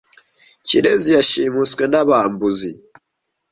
Kirezi yashimuswe nabambuzi.